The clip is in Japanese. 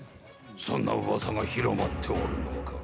そんな噂が広まっておるのか。